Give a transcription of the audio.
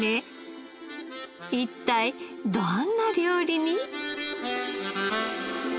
一体どんな料理に？